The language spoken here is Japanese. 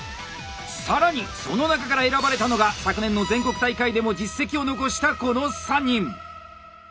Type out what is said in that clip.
更にその中から選ばれたのが昨年の全国大会でも実績を残したこの３人！